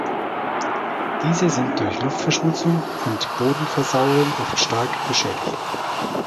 Diese sind durch Luftverschmutzung und Bodenversauerung oft stark geschädigt.